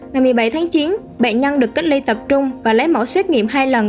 ngày một mươi bảy tháng chín bệnh nhân được cách ly tập trung và lấy mẫu xét nghiệm hai lần